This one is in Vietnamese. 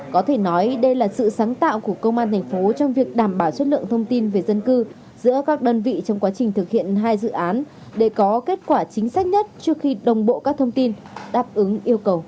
có thể nói đây là sự sáng tạo của công an thành phố trong việc đảm bảo chất lượng thông tin về dân cư giữa các đơn vị trong quá trình thực hiện hai dự án để có kết quả chính xác nhất trước khi đồng bộ các thông tin đáp ứng yêu cầu